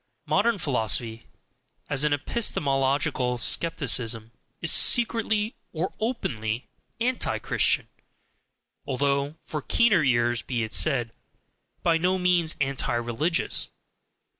Modern philosophy, as epistemological skepticism, is secretly or openly ANTI CHRISTIAN, although (for keener ears, be it said) by no means anti religious.